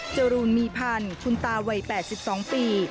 จรูนมีพันธ์คุณตาวัย๘๒ปี